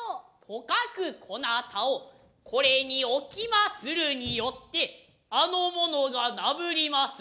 とかくこなたをこれに置きまするによってあの者が嬲りまする。